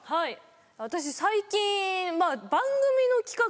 私最近。